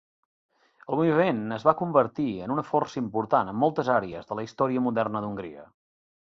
El moviment es va convertir en una força important en moltes àrees de la història moderna d'Hongria.